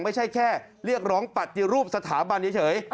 ไม่ใช่แค่เรียกร้องปฏิรูปสถาบันเฉย